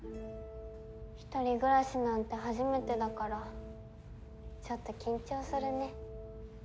一人暮らしなんて初めてだからちょっと緊張するね。